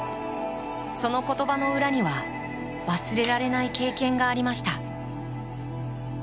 その言葉の裏には忘れられない経験がありました。